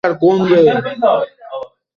অন্ধকারে মানুষটিকে চেনা যাচ্ছে না।